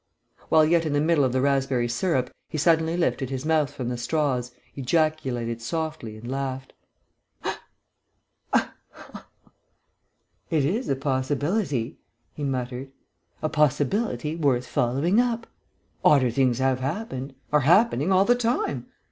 While yet in the middle of the raspberry syrup he suddenly lifted his mouth from the straws, ejaculated softly, and laughed. "It is a possibility," he muttered. "A possibility, worth following up.... Odder things have happened ... are happening, all the time....